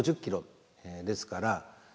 ５０キロですから。